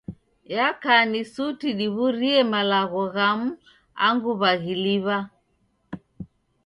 Yaka ni suti diw'urie malagho ghamu angu waghiliw'a.